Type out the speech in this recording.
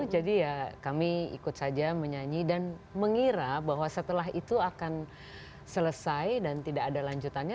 jadi ya kami ikut saja menyanyi dan mengira bahwa setelah itu akan selesai dan tidak ada lanjutannya